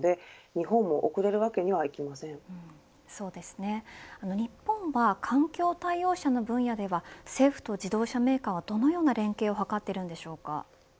日本は環境対応車の分野では政府と自動車メーカーはどのような連携を図っているのでしょうか。